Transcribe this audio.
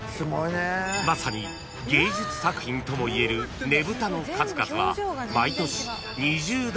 ［まさに芸術作品ともいえるねぶたの数々は毎年２０台以上］